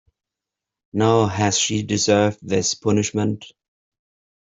Now, has she deserved this punishment?